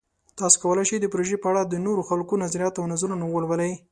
تاسو کولی شئ د پروژې په اړه د نورو خلکو نظریات او نظرونه ولولئ.